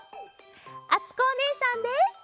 あつこおねえさんです！